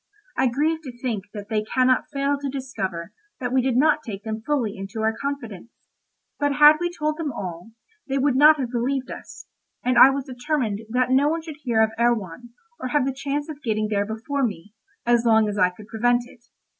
I grieve to think that they cannot fail to discover that we did not take them fully into our confidence; but had we told them all, they would not have believed us, and I was determined that no one should hear of Erewhon, or have the chance of getting there before me, as long as I could prevent it.